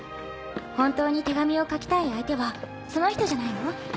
本当に手紙を書きたい相手はその人じゃないの？